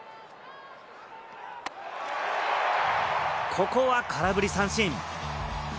ここは空振り三振。